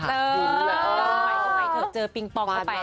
ใหม่ก็ใหม่เถอะเจอปิงปองเข้าไป